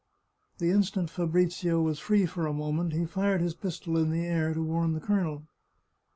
The instant Fabrizio was free for a moment he fired his pistol in the air to warn the colonel.